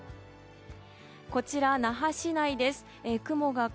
こちら、那覇市内です。